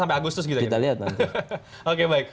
sampai agustus gitu ya kita lihat nanti